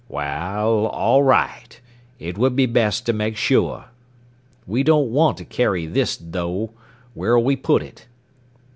"Well, all right. It would be best to make sure. "We don't want to carry this, though. Where'll we put it?"